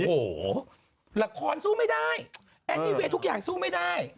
โอ้โหละครสู้ไม่ได้แอนติเวย์ทุกอย่างสู้ไม่ได้